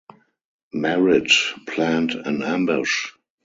Merritt planned an ambush.